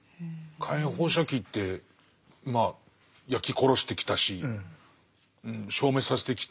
火炎放射器ってまあ焼き殺してきたし消滅させてきて。